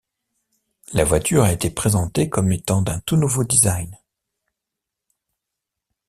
La voiture a été présentée comme étant d'un tout nouveau design.